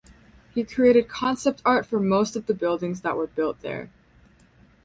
He created concept art for most of the buildings that were built there.